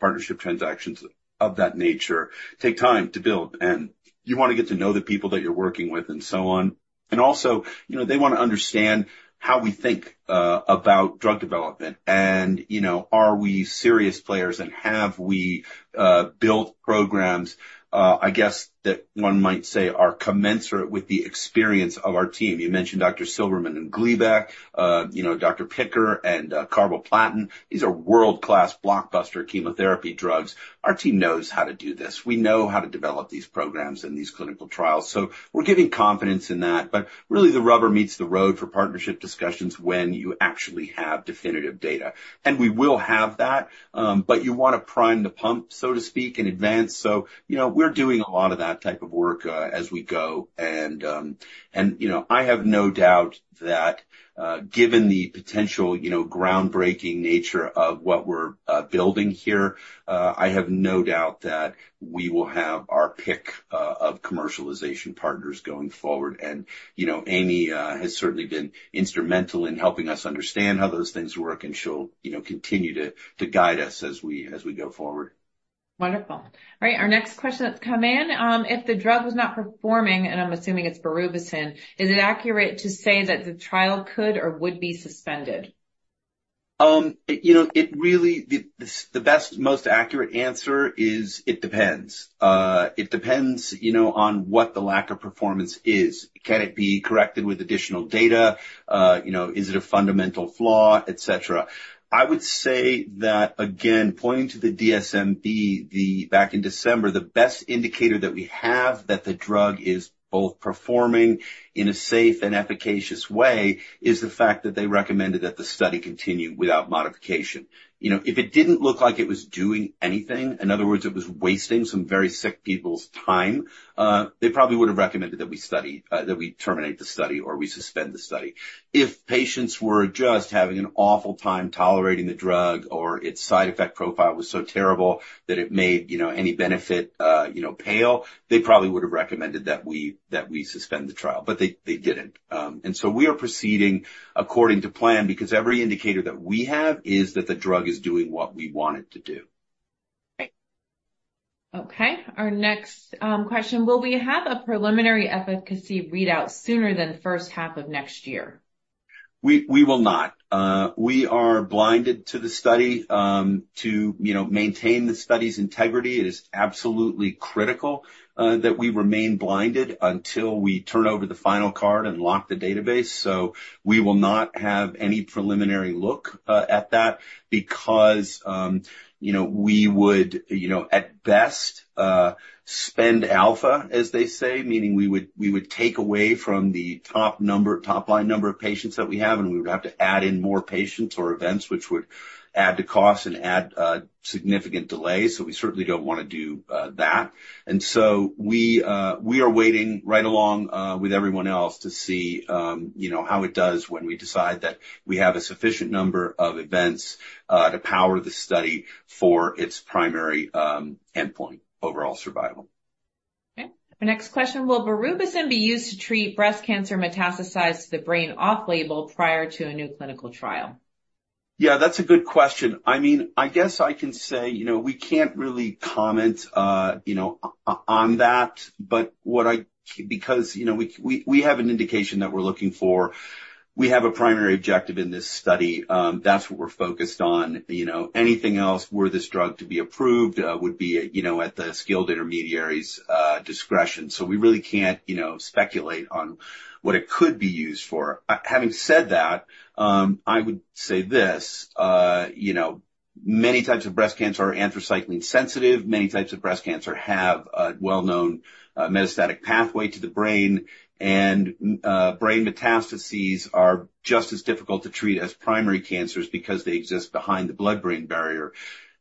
partnership transactions of that nature, take time to build, and you want to get to know the people that you're working with and so on. And also, you know, they want to understand how we think about drug development and, you know, are we serious players, and have we built programs, I guess, that one might say are commensurate with the experience of our team? You mentioned Dr. Silberman and Gleevec, you know, Dr. Picker and carboplatin. These are world-class, blockbuster chemotherapy drugs. Our team knows how to do this. We know how to develop these programs and these clinical trials, so we're giving confidence in that, but really, the rubber meets the road for partnership discussions when you actually have definitive data, and we will have that, but you want to prime the pump, so to speak, in advance, so you know, we're doing a lot of that type of work as we go, and you know, I have no doubt that given the potential, you know, groundbreaking nature of what we're building here, I have no doubt that we will have our pick of commercialization partners going forward, and you know, Amy has certainly been instrumental in helping us understand how those things work, and she'll, you know, continue to guide us as we go forward. Wonderful. All right, our next question that's come in: If the drug was not performing, and I'm assuming it's berubicin, is it accurate to say that the trial could or would be suspended? ...You know, it really, the best, most accurate answer is, it depends. It depends, you know, on what the lack of performance is. Can it be corrected with additional data? You know, is it a fundamental flaw, et cetera? I would say that, again, pointing to the DSMB, the back in December, the best indicator that we have that the drug is both performing in a safe and efficacious way, is the fact that they recommended that the study continue without modification. You know, if it didn't look like it was doing anything, in other words, it was wasting some very sick people's time, they probably would've recommended that we study, that we terminate the study or we suspend the study. If patients were just having an awful time tolerating the drug, or its side effect profile was so terrible that it made, you know, any benefit, you know, pale, they probably would've recommended that we suspend the trial, but they didn't, and so we are proceeding according to plan, because every indicator that we have is that the drug is doing what we want it to do. Okay. Our next question: Will we have a preliminary efficacy readout sooner than the first half of next year? We will not. We are blinded to the study, you know, to maintain the study's integrity. It is absolutely critical that we remain blinded until we turn over the final card and lock the database. So we will not have any preliminary look at that because, you know, we would, you know, at best spend alpha, as they say, meaning we would take away from the top number, top line number of patients that we have, and we would have to add in more patients or events, which would add to cost and add significant delays. So we certainly don't wanna do that. And so we are waiting right along with everyone else to see, you know, how it does when we decide that we have a sufficient number of events to power the study for its primary endpoint, overall survival. Okay. The next question: Will berubicin be used to treat breast cancer metastasized to the brain off label prior to a new clinical trial? Yeah, that's a good question. I mean, I guess I can say, you know, we can't really comment, you know, on that, but what I... Because, you know, we have an indication that we're looking for. We have a primary objective in this study, that's what we're focused on. You know, anything else, were this drug to be approved, would be, you know, at the skilled intermediaries, discretion. So we really can't, you know, speculate on what it could be used for. Having said that, I would say this, you know, many types of breast cancer are anthracycline sensitive. Many types of breast cancer have a well-known, metastatic pathway to the brain, and, brain metastases are just as difficult to treat as primary cancers because they exist behind the blood-brain barrier.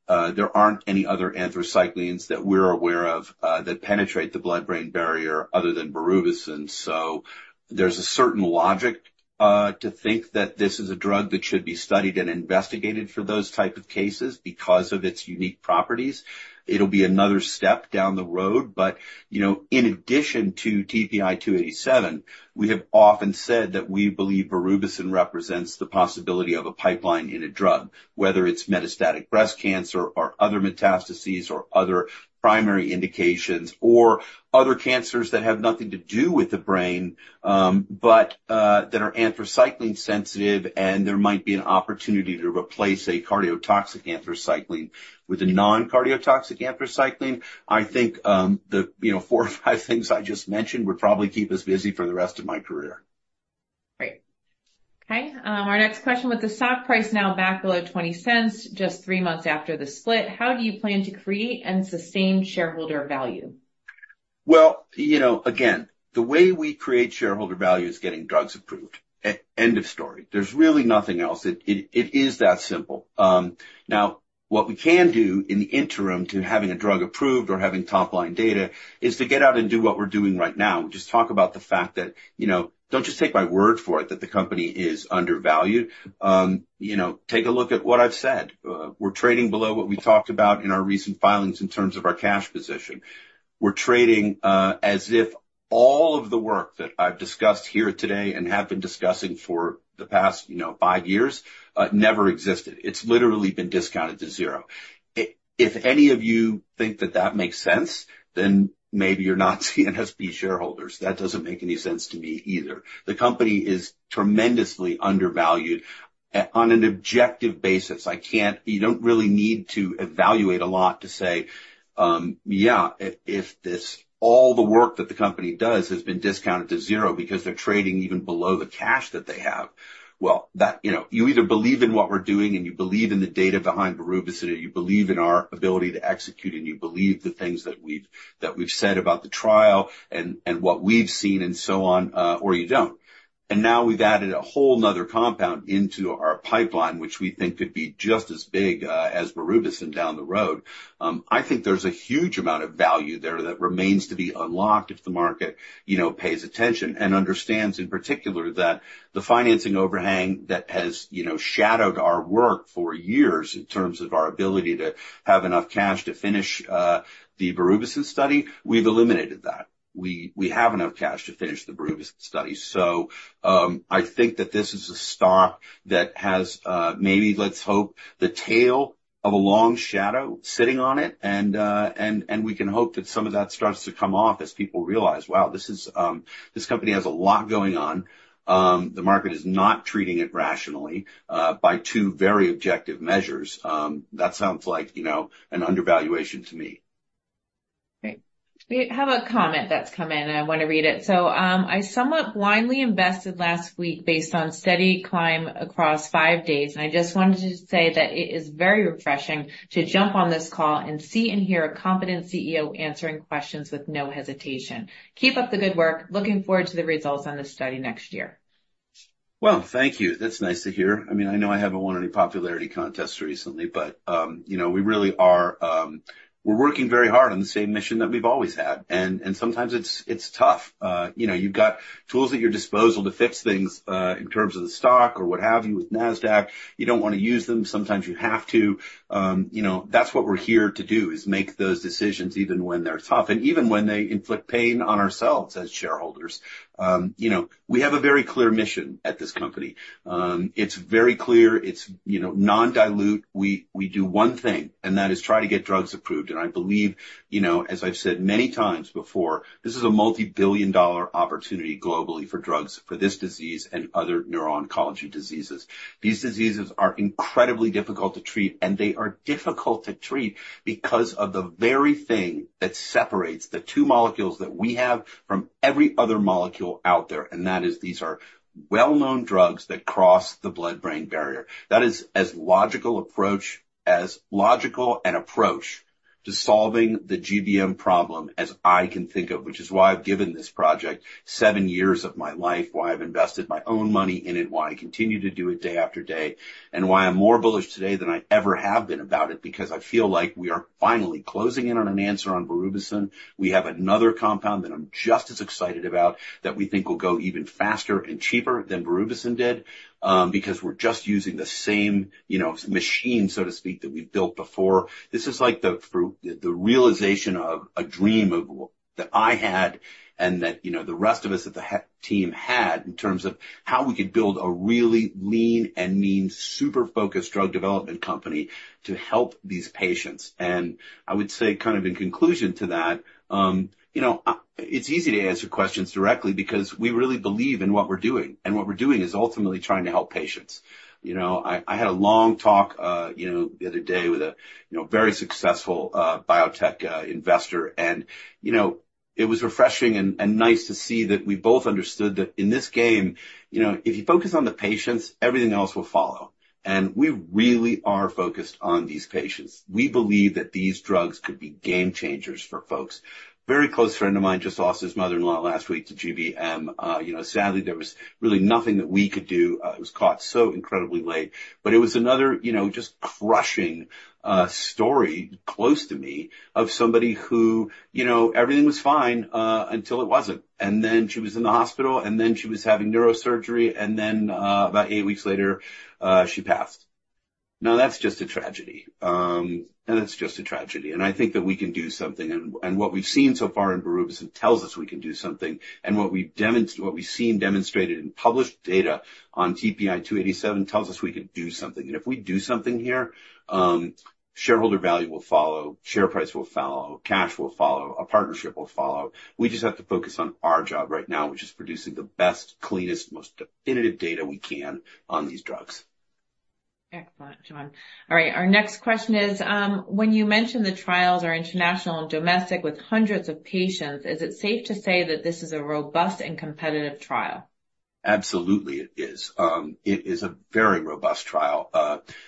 There aren't any other anthracyclines that we're aware of that penetrate the blood-brain barrier other than berubicin. So there's a certain logic to think that this is a drug that should be studied and investigated for those type of cases because of its unique properties. It'll be another step down the road, but you know, in addition to TPI 287, we have often said that we believe berubicin represents the possibility of a pipeline in a drug, whether it's metastatic breast cancer or other metastases, or other primary indications, or other cancers that have nothing to do with the brain, but that are anthracycline sensitive, and there might be an opportunity to replace a cardiotoxic anthracycline with a non-cardiotoxic anthracycline. I think you know, four or five things I just mentioned would probably keep us busy for the rest of my career. Great. Okay, our next question: With the stock price now back below $0.20, just three months after the split, how do you plan to create and sustain shareholder value? Well, you know, again, the way we create shareholder value is getting drugs approved. End of story. There's really nothing else. It is that simple. Now, what we can do in the interim to having a drug approved or having top-line data, is to get out and do what we're doing right now, just talk about the fact that, you know, don't just take my word for it, that the company is undervalued. You know, take a look at what I've said. We're trading below what we talked about in our recent filings in terms of our cash position. We're trading, as if all of the work that I've discussed here today and have been discussing for the past, you know, five years, never existed. It's literally been discounted to zero. If any of you think that makes sense, then maybe you're not CNSP shareholders. That doesn't make any sense to me either. The company is tremendously undervalued on an objective basis. I can't. You don't really need to evaluate a lot to say, yeah, if all the work that the company does has been discounted to zero because they're trading even below the cash that they have. Well, that. You know, you either believe in what we're doing, and you believe in the data behind berubicin, or you believe in our ability to execute, and you believe the things that we've said about the trial and what we've seen and so on, or you don't. And now we've added a whole another compound into our pipeline, which we think could be just as big as berubicin down the road. I think there's a huge amount of value there that remains to be unlocked if the market, you know, pays attention and understands, in particular, that the financing overhang that has, you know, shadowed our work for years in terms of our ability to have enough cash to finish the berubicin study. We've eliminated that. We have enough cash to finish the berubicin study. So, I think that this is a stock that has, maybe let's hope, the tail of a long shadow sitting on it, and we can hope that some of that starts to come off as people realize, "Wow, this is, this company has a lot going on." The market is not treating it rationally by two very objective measures. That sounds like, you know, an undervaluation to me. ... Great. We have a comment that's come in, and I want to read it. So, "I somewhat blindly invested last week based on steady climb across five days, and I just wanted to say that it is very refreshing to jump on this call and see and hear a competent CEO answering questions with no hesitation. Keep up the good work. Looking forward to the results on this study next year. Thank you. That's nice to hear. I mean, I know I haven't won any popularity contests recently, but, you know, we really are, we're working very hard on the same mission that we've always had, and sometimes it's tough. You know, you've got tools at your disposal to fix things in terms of the stock or what have you, with NASDAQ. You don't want to use them, sometimes you have to. You know, that's what we're here to do, is make those decisions even when they're tough and even when they inflict pain on ourselves as shareholders. You know, we have a very clear mission at this company. It's very clear. It's, you know, non-dilute. We do one thing, and that is try to get drugs approved. I believe, you know, as I've said many times before, this is a multi-billion-dollar opportunity globally for drugs for this disease and other neuro-oncology diseases. These diseases are incredibly difficult to treat, and they are difficult to treat because of the very thing that separates the two molecules that we have from every other molecule out there, and that is, these are well-known drugs that cross the blood-brain barrier. That is as logical approach, as logical an approach to solving the GBM problem as I can think of, which is why I've given this project seven years of my life, why I've invested my own money in it, why I continue to do it day after day, and why I'm more bullish today than I ever have been about it, because I feel like we are finally closing in on an answer on berubicin. We have another compound that I'm just as excited about, that we think will go even faster and cheaper than berubicin did, because we're just using the same, you know, machine, so to speak, that we've built before. This is like the fruit, the realization of a dream that I had, and that, you know, the rest of us at the team had, in terms of how we could build a really lean and mean, super focused drug development company to help these patients. I would say kind of in conclusion to that, you know, it's easy to answer questions directly because we really believe in what we're doing, and what we're doing is ultimately trying to help patients. You know, I had a long talk, you know, the other day with a, you know, very successful, biotech, investor and, you know, it was refreshing and nice to see that we both understood that in this game, you know, if you focus on the patients, everything else will follow. And we really are focused on these patients. We believe that these drugs could be game changers for folks. Very close friend of mine just lost his mother-in-law last week to GBM. You know, sadly, there was really nothing that we could do. It was caught so incredibly late, but it was another, you know, just crushing, story close to me of somebody who, you know, everything was fine, until it wasn't. Then she was in the hospital, and then she was having neurosurgery, and then, about eight weeks later, she passed. Now, that's just a tragedy, and it's just a tragedy, and I think that we can do something. What we've seen so far in berubicin tells us we can do something, and what we've seen demonstrated in published data on TPI 287 tells us we can do something. If we do something here, shareholder value will follow, share price will follow, cash will follow, a partnership will follow. We just have to focus on our job right now, which is producing the best, cleanest, most definitive data we can on these drugs. Excellent, John. All right, our next question is: When you mention the trials are international and domestic with hundreds of patients, is it safe to say that this is a robust and competitive trial? Absolutely, it is. It is a very robust trial.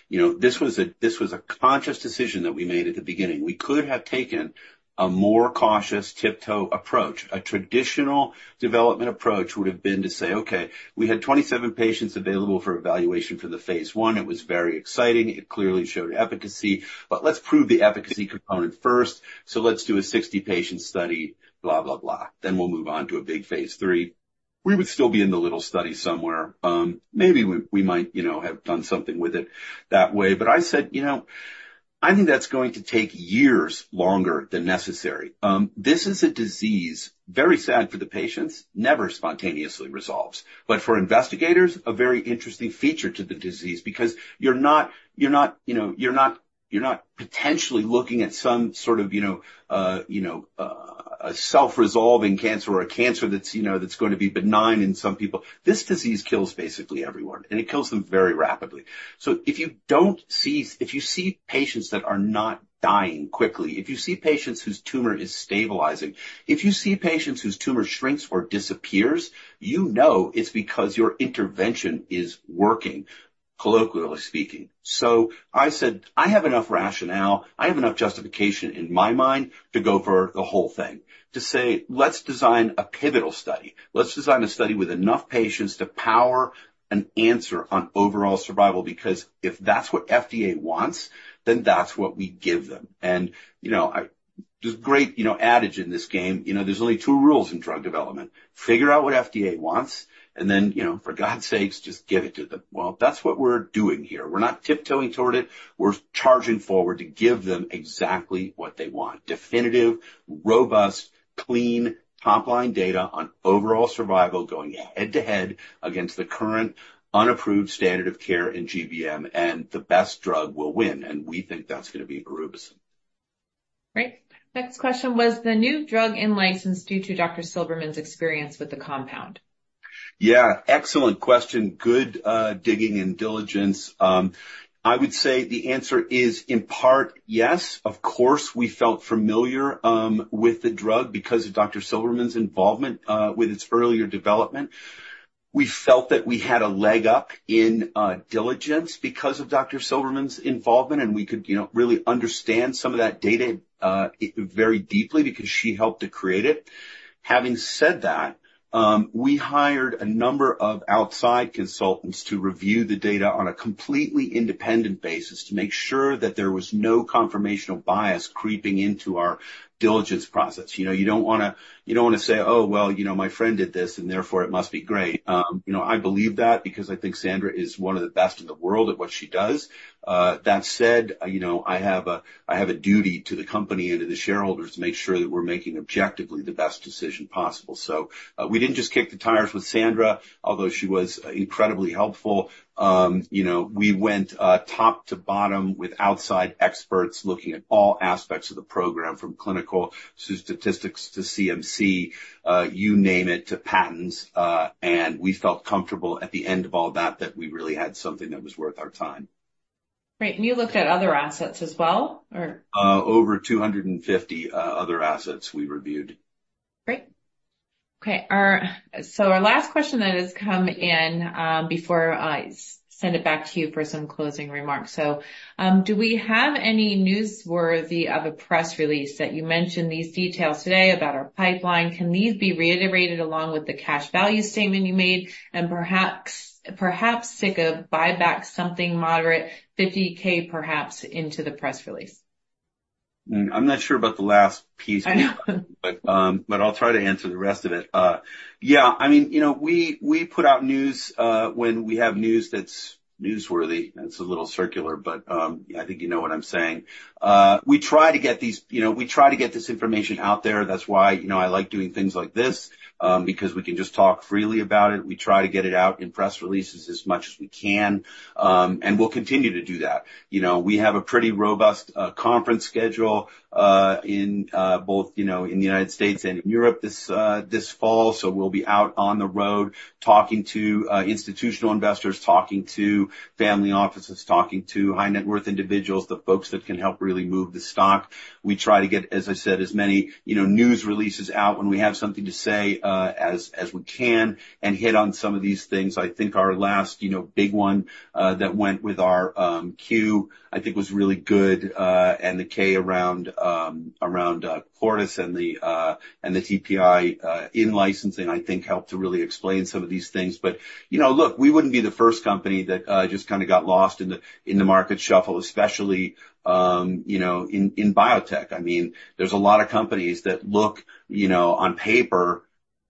You know, this was a conscious decision that we made at the beginning. We could have taken a more cautious, tiptoe approach. A traditional development approach would've been to say, "Okay, we had 27 patients available for evaluation for the phase I. It was very exciting. It clearly showed efficacy, but let's prove the efficacy component first. So let's do a 60-patient study, blah, blah, blah, then we'll move on to a big phase III." We would still be in the little study somewhere. Maybe we might, you know, have done something with it that way. But I said, "You know, I think that's going to take years longer than necessary." This is a disease, very sad for the patients, never spontaneously resolves. But for investigators, a very interesting feature to the disease because you're not, you know, potentially looking at some sort of, you know, a self-resolving cancer or a cancer that's, you know, that's going to be benign in some people. This disease kills basically everyone, and it kills them very rapidly. If you see patients that are not dying quickly, if you see patients whose tumor is stabilizing, if you see patients whose tumor shrinks or disappears, you know it's because your intervention is working, colloquially speaking. So I said, "I have enough rationale, I have enough justification in my mind to go for the whole thing," to say, "Let's design a pivotal study. Let's design a study with enough patients to power an answer on overall survival, because if that's what FDA wants, then that's what we give them." And, you know, there's a great, you know, adage in this game, you know. There's only two rules in drug development. Figure out what FDA wants, and then, you know, for God's sakes, just give it to them. Well, that's what we're doing here. We're not tiptoeing toward it. We're charging forward to give them exactly what they want. Definitive, robust, clean, top-line data on overall survival, going head-to-head against the current unapproved standard of care in GBM, and the best drug will win, and we think that's gonna be berubicin. Great. Next question: Was the new drug in-licensed due to Dr. Silberman's experience with the compound? ... Yeah, excellent question. Good, digging and diligence. I would say the answer is, in part, yes, of course, we felt familiar, with the drug because of Dr. Silberman's involvement, with its earlier development. We felt that we had a leg up in, diligence because of Dr. Silberman's involvement, and we could, you know, really understand some of that data, very deeply because she helped to create it. Having said that, we hired a number of outside consultants to review the data on a completely independent basis to make sure that there was no confirmational bias creeping into our diligence process. You know, you don't wanna, you don't wanna say, "Oh, well, you know, my friend did this, and therefore, it must be great." You know, I believe that because I think Sandra is one of the best in the world at what she does. That said, you know, I have a duty to the company and to the shareholders to make sure that we're making objectively the best decision possible. So, we didn't just kick the tires with Sandra, although she was incredibly helpful. You know, we went top to bottom with outside experts, looking at all aspects of the program, from clinical to statistics to CMC, you name it, to patents, and we felt comfortable at the end of all that, that we really had something that was worth our time. Great. And you looked at other assets as well, or? Over two hundred and fifty other assets we reviewed. Great. Okay, so our last question that has come in, before I send it back to you for some closing remarks. So, do we have any newsworthy of a press release that you mentioned these details today about our pipeline? Can these be reiterated along with the cash value statement you made, and perhaps stock buyback something moderate, $50,000, perhaps into the press release? Hmm, I'm not sure about the last piece. I know. But I'll try to answer the rest of it. Yeah, I mean, you know, we put out news when we have news that's newsworthy, and it's a little circular, but I think you know what I'm saying. We try to get these, you know, we try to get this information out there. That's why, you know, I like doing things like this, because we can just talk freely about it. We try to get it out in press releases as much as we can. And we'll continue to do that. You know, we have a pretty robust conference schedule in both, you know, in the United States and in Europe this fall. So we'll be out on the road talking to institutional investors, talking to family offices, talking to high net worth individuals, the folks that can help really move the stock. We try to get, as I said, as many, you know, news releases out when we have something to say, as we can, and hit on some of these things. I think our last, you know, big one that went with our Q, I think was really good, and the K around Cortice and the TPI in-licensing, I think helped to really explain some of these things. But, you know, look, we wouldn't be the first company that just kind of got lost in the market shuffle, especially, you know, in biotech. I mean, there's a lot of companies that look, you know, on paper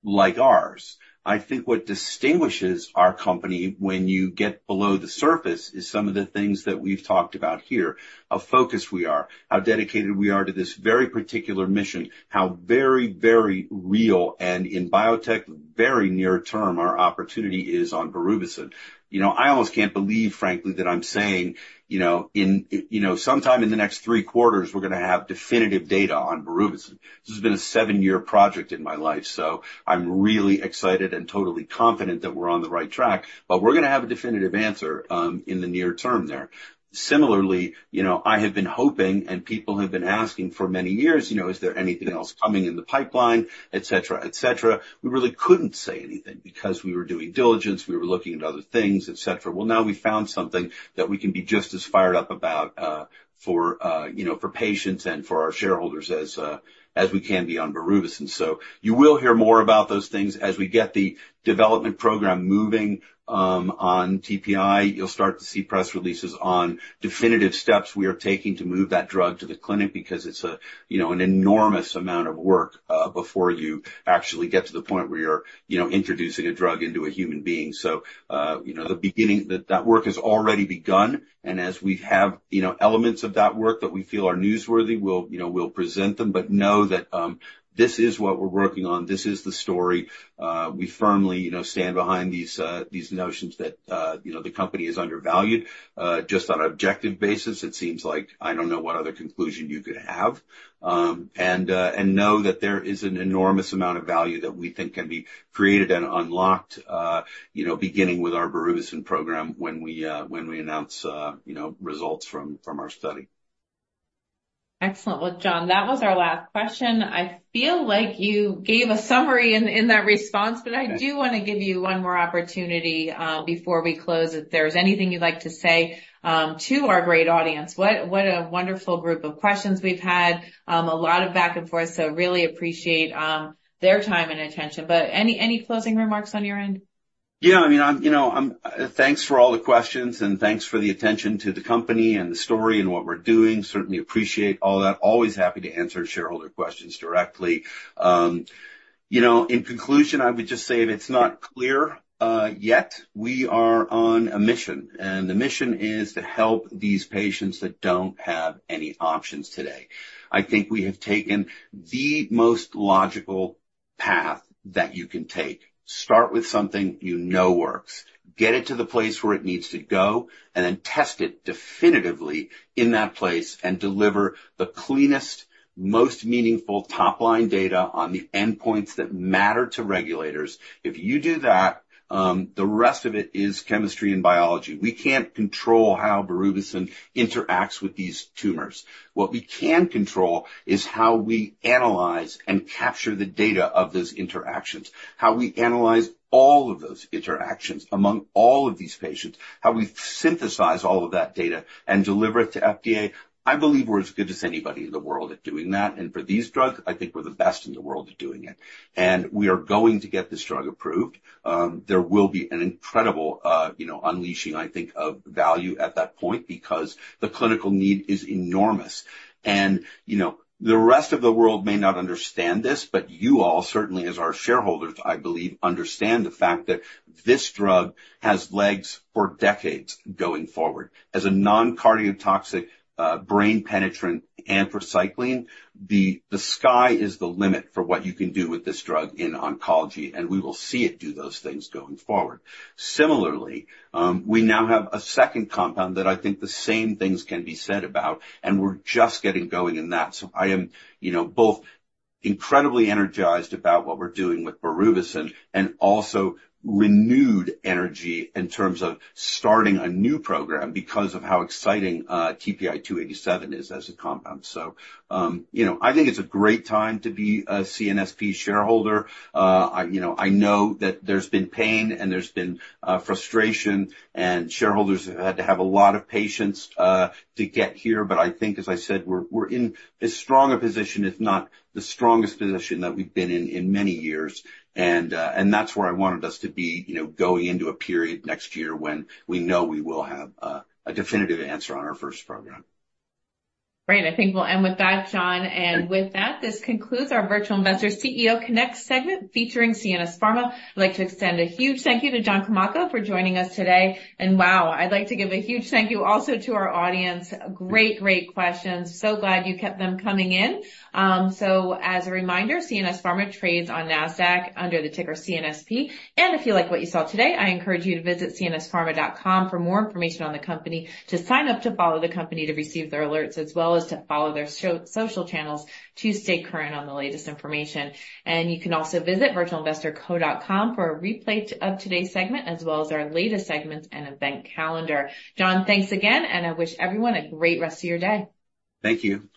like ours. I think what distinguishes our company when you get below the surface, is some of the things that we've talked about here, how focused we are, how dedicated we are to this very particular mission, how very, very real and in biotech, very near term, our opportunity is on berubicin. You know, I almost can't believe, frankly, that I'm saying, you know, in, you know, sometime in the next three quarters, we're gonna have definitive data on berubicin. This has been a seven-year project in my life, so I'm really excited and totally confident that we're on the right track, but we're gonna have a definitive answer in the near term there. Similarly, you know, I have been hoping, and people have been asking for many years, you know, "Is there anything else coming in the pipeline?" Et cetera, et cetera. We really couldn't say anything because we were doing diligence, we were looking at other things, et cetera. Well, now we found something that we can be just as fired up about, for you know, for patients and for our shareholders as we can be on berubicin. So you will hear more about those things as we get the development program moving on TPI. You'll start to see press releases on definitive steps we are taking to move that drug to the clinic because it's a, you know, an enormous amount of work before you actually get to the point where you're, you know, introducing a drug into a human being. So, you know, the beginning, that work has already begun, and as we have, you know, elements of that work that we feel are newsworthy, we'll, you know, present them, but know that this is what we're working on. This is the story. We firmly, you know, stand behind these notions that, you know, the company is undervalued. Just on an objective basis, it seems like I don't know what other conclusion you could have. And know that there is an enormous amount of value that we think can be created and unlocked, you know, beginning with our berubicin program, when we announce, you know, results from our study. Excellent. Well, John, that was our last question. I feel like you gave a summary in that response. Okay. But I do wanna give you one more opportunity, before we close, if there's anything you'd like to say, to our great audience. What a wonderful group of questions we've had, a lot of back and forth, so really appreciate their time and attention. But any closing remarks on your end? Yeah, I mean, I'm, you know, thanks for all the questions, and thanks for the attention to the company and the story and what we're doing. Certainly appreciate all that. Always happy to answer shareholder questions directly. In conclusion, I would just say if it's not clear yet, we are on a mission, and the mission is to help these patients that don't have any options today. I think we have taken the most logical path that you can take. Start with something you know works, get it to the place where it needs to go, and then test it definitively in that place and deliver the cleanest, most meaningful top-line data on the endpoints that matter to regulators. If you do that, the rest of it is chemistry and biology. We can't control how berubicin interacts with these tumors. What we can control is how we analyze and capture the data of those interactions, how we analyze all of those interactions among all of these patients, how we synthesize all of that data and deliver it to FDA. I believe we're as good as anybody in the world at doing that, and for these drugs, I think we're the best in the world at doing it, and we are going to get this drug approved. There will be an incredible, you know, unleashing, I think, of value at that point because the clinical need is enormous, and you know, the rest of the world may not understand this, but you all, certainly as our shareholders, I believe, understand the fact that this drug has legs for decades going forward. As a non-cardiotoxic, brain penetrant anthracycline, the sky is the limit for what you can do with this drug in oncology, and we will see it do those things going forward. Similarly, we now have a second compound that I think the same things can be said about, and we're just getting going in that. So I am, you know, both incredibly energized about what we're doing with berubicin and also renewed energy in terms of starting a new program because of how exciting, TPI 287 is as a compound. So, you know, I think it's a great time to be a CNSP shareholder. I, you know, I know that there's been pain and there's been, frustration, and shareholders have had to have a lot of patience, to get here. But I think, as I said, we're in as strong a position, if not the strongest position that we've been in, in many years. And and that's where I wanted us to be, you know, going into a period next year when we know we will have a definitive answer on our first program. Great. I think we'll end with that, John. And with that, this concludes our Virtual Investor CEO Connect segment, featuring CNS Pharma. I'd like to extend a huge thank you to John Climaco for joining us today. And wow, I'd like to give a huge thank you also to our audience. Great, great questions. So glad you kept them coming in. So as a reminder, CNS Pharma trades on NASDAQ under the ticker CNSP. And if you like what you saw today, I encourage you to visit cnspharma.com for more information on the company, to sign up to follow the company, to receive their alerts, as well as to follow their social channels to stay current on the latest information. And you can also visit virtualinvestorco.com for a replay of today's segment, as well as our latest segments and event calendar. John, thanks again, and I wish everyone a great rest of your day. Thank you.